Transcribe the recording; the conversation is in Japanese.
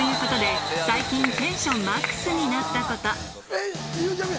えっゆうちゃみ